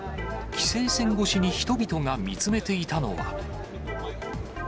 規制線越しに人々が見つめていたのは。